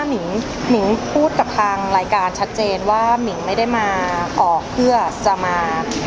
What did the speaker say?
ไม่ได้พูดอะไรน่าเกลียดเลยเราไม่ได้ไปว่าเขา